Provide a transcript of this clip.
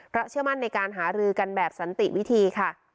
เพราะเชื่อมั่นในการหารือกันแบบสันติวิธีค่ะ